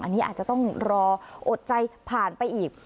อันนี้อาจจะต้องรออดใจผ่านไปอีก